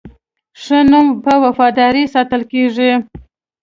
ښه نوم په وفادارۍ ساتل کېږي.